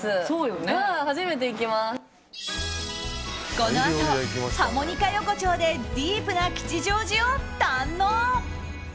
このあと、ハモニカ横丁でディープな吉祥寺を堪能。